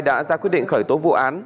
đã ra quyết định khởi tố vụ án